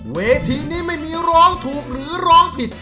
เวทีนี้ไม่มีร้องถูกหรือร้องผิด